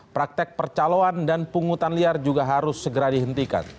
praktek percaloan dan pungutan liar juga harus segera dihentikan